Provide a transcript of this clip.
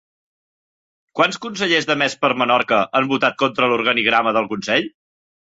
Quants consellers de Més per Menorca han votat contra l'organigrama del consell?